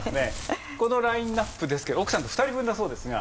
このラインアップですけど奥さんと２人分だそうですが。